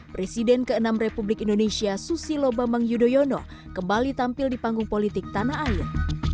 presiden ke enam republik indonesia susilo bambang yudhoyono kembali tampil di panggung politik tanah air